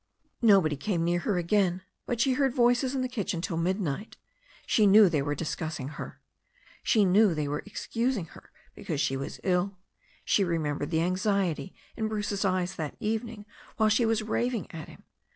Nobody came near her again. But she heard voices in the kitchen till midnight. She knew they were discussing her. She knew they were excusing her because she was ill. She remembered the anxiety in Bruce's eyes that evening while she was raving at him.